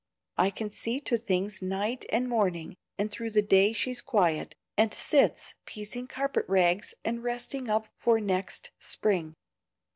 I can see to things night and morning, and through the day she's quiet, and sits piecing carpet rags and resting up for next spring.